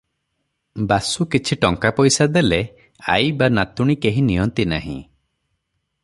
ବାସୁ କିଛି ଟଙ୍କା ପଇସା ଦେଲେ ଆଈ ବା ନାତୁଣୀ କେହି ନିଅନ୍ତି ନାହିଁ ।